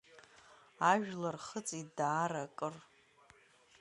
Ажәлар хыҵит даара кыр.